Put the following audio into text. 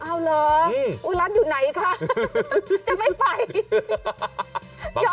เอาเหรอร้านอยู่ไหนคะจะไม่ไป